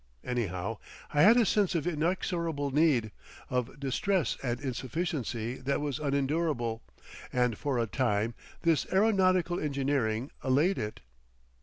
Anyhow, I had a sense of inexorable need, of distress and insufficiency that was unendurable, and for a time this aeronautical engineering allayed it....